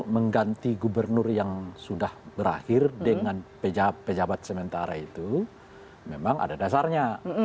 mengganti gubernur yang sudah berakhir dengan pejabat sementara itu memang ada dasarnya